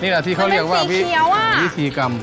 นี่แหละที่เขาเรียกว่าวิธีกรรม